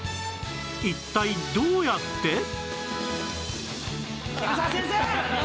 一体どうやって？